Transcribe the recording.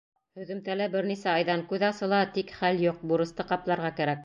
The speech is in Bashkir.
Һөҙөмтәлә бер нисә айҙан күҙ асыла, тик хәл юҡ — бурысты ҡапларға кәрәк.